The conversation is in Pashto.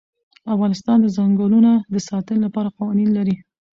افغانستان د ځنګلونه د ساتنې لپاره قوانین لري.